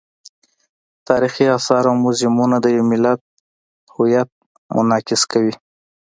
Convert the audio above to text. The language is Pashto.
تاریخي آثار او موزیمونه د یو ملت هویت منعکس کوي.